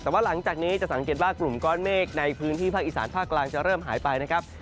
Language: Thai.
แต่ว่าหลังจากนี้จะสังเกตว่ากลุ่มก้อนเมฆในพื้นที่ภาคอีสานภาคกลางจะเริ่มหายไปนะครับ